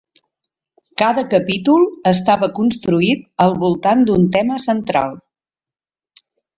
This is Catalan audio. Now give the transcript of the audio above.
Cada capítol estava construït al voltant d'un tema central.